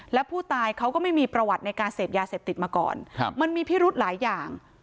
และผู้ตายเขาก็ไม่มีประวัติในการเสพยาเสพติดมาก่อนมันมีพิรุธหลายอย่าง